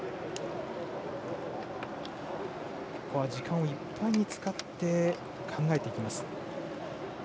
ここは時間をいっぱいに使って考えていきます。